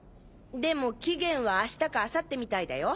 でも期限は明日か明後日みたいだよ。